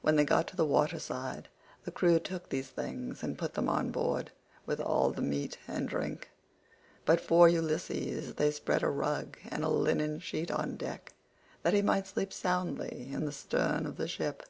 When they got to the water side the crew took these things and put them on board, with all the meat and drink; but for Ulysses they spread a rug and a linen sheet on deck that he might sleep soundly in the stern of the ship.